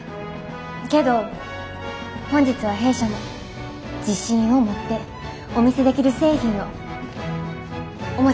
けど本日は弊社も自信を持ってお見せできる製品をお持ちしました。